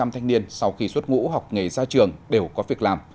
một trăm linh thanh niên sau khi xuất ngũ học nghề ra trường đều có việc làm